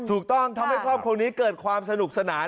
ถูกต้องทำให้ครอบครัวนี้เกิดความสนุกสนาน